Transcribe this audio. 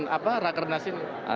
apa rakernas ini